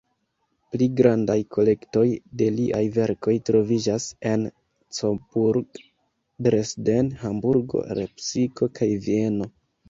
Pli grandaj kolektoj de liaj verkoj troviĝas en Coburg, Dresden, Hamburgo, Lepsiko kaj Vieno.